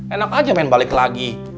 enak aja main balik lagi